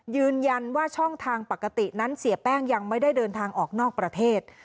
ยืนยันว่าช่องทางปกตินั้นเสียแป้งยังไม่ได้เดินทางออกนอกประเทศ